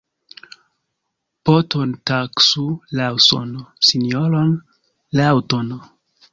Poton taksu laŭ sono, sinjoron laŭ tono.